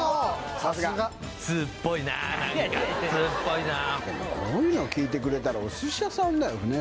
さすがこういうのを聞いてくれたらお寿司屋さんだよね